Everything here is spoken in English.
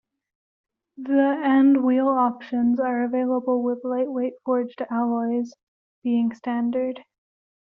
The and wheel options are available with lightweight forged alloys being standard.